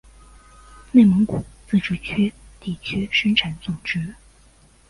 内蒙古自治区地区生产总值